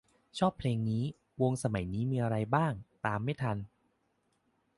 ชอบเพลงนี้ วงสมัยนี้มีอะไรบ้าง ตามไม่ทัน